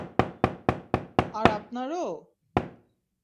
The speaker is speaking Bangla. আর আপনার ও?